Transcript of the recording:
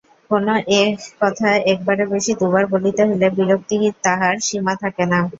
কোনো কথা একবারের বেশি দুবার বলিতে হইলে বিরক্তির তাহার সীমা থাকে না।